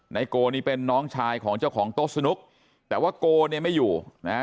นายโกนี่เป็นน้องชายของเจ้าของโต๊ะสนุกแต่ว่าโกเนี่ยไม่อยู่นะฮะ